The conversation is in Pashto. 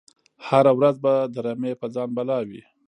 هره ورځ به د رمی په ځان بلا وي